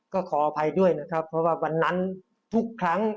ก็ขออภัยด้วยนะครับเพราะว่าวันนั้นทุกครั้ง